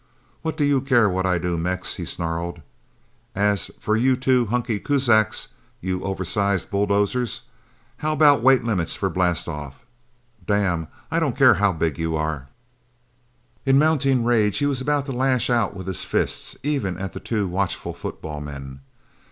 "What do you care what I do, Mex?" he snarled. "And as for you two Hunky Kuzaks you oversized bulldozers how about weight limits for blastoff? Damn I don't care how big you are!" In mounting rage, he was about to lash out with his fists, even at the two watchful football men.